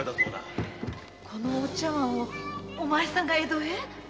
このお茶碗をお前さんが江戸へ？